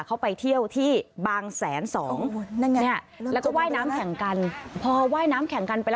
เข้าไปเที่ยวที่บางแสน๒